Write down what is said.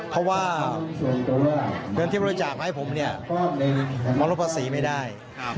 เพราะว่าเงินที่บริจาคมาให้ผมเนี่ยมาลดภาษีไม่ได้